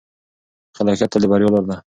خلاقیت تل د بریا لاره ده.